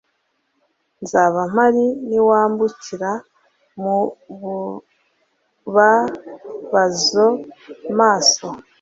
nzaba mpari niwambukira mu bubabaza-maso,